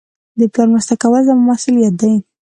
د پلار مرسته کول زما مسئولیت دئ.